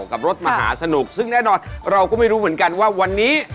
กับรถมหาสนุกซึ่งแน่นอนเราก็ไม่รู้เหมือนกันว่าวันนี้